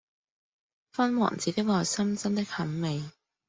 勳王子的內心真的很美